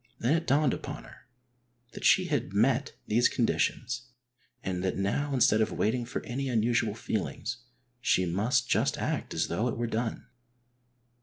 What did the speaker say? Then it dawned upon her that she had met these conditions and that now instead of waiting for any unusual feelings she must just act as though it were done.